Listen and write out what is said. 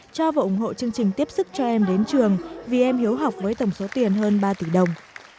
cho và ủng hộ chương trình tiếp sức cho em đến trường vì em hiếu học với tổng số tiền hơn ba tỷ đồng